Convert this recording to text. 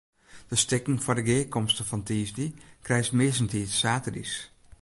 De stikken foar de gearkomste fan tiisdei krijst meast saterdeis.